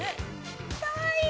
かわいい。